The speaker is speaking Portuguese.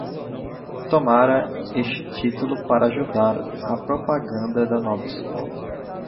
Tomara este título para ajudar a propaganda da nova escola